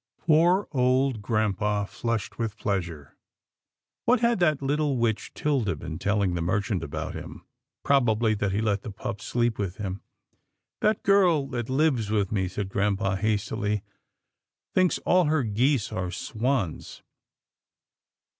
Poor old grampa flushed with pleasure. What had that little witch 'Tilda been telling the mer chant about him? Probably that he let the pup sleep with him. " That girl that lives with me," said grampa hastily, " thinks all her geese are swans."